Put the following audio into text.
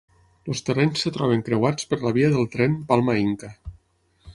Els terrenys es troben creuats per la via del tren Palma-Inca.